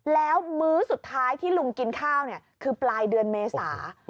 แล้วมื้อสุดท้ายที่ลุงกินข้าวคือปลายเดือนเมษา